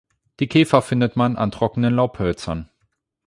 Die Käfer findet man an trockenen Laubhölzern.